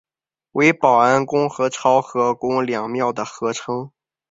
为保安宫与潮和宫两庙的合称。